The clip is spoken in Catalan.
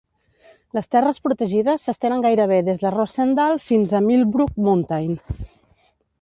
Les terres protegides s'estenen gairebé des de Rosendale fins a Millbrook Mountain.